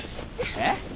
えっ。